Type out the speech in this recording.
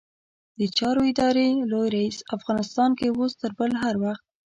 د چارو ادارې لوی رئيس؛ افغانستان کې اوس تر بل هر وخت